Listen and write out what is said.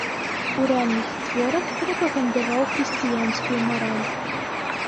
У ранніх творах прапагандаваў хрысціянскую мараль.